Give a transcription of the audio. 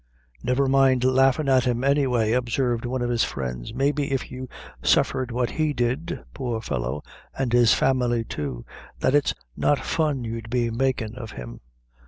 "Never mind laughin' at him, anyway," observed one of his friends; "maybe if you suffered what he did, poor fellow, an' his family too, that it's not fun you'd be makin' of him."